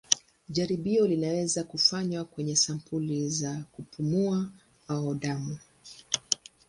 Jaribio linaweza kufanywa kwenye sampuli za kupumua au damu.